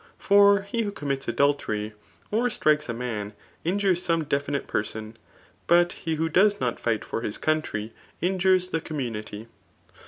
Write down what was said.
¥m he who commits adultery, or strStes a man, injures some definite perscHi } but he who does not 6^ {Tor hn country,] injures the commuaic^.